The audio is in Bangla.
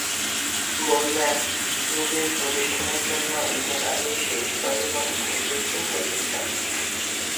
বললেন, নিজের প্রতিষ্ঠানের জন্য ঈদের আগে শেষবারের মতো থ্রি-পিস কিনতে এসেছেন।